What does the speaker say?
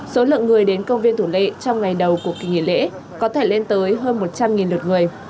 số lượng người đến công viên thủ lệ trong ngày đầu của kỳ nghỉ lễ có thể lên tới hơn một trăm linh lượt người